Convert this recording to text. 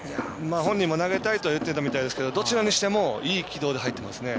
本人も投げたいとは言ってたみたいですがどちらにしてもいい軌道で入ってますね。